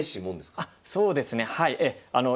あそうですねはい。